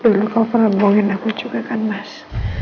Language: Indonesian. dulu kau pernah bohongin aku juga kan mas